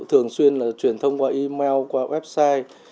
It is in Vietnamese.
thường xuyên là truyền thông qua email qua website